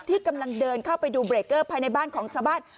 ที่กำลังเดินเข้าไปดูเบรกเกอร์ภายในบ้านของชาวบ้าน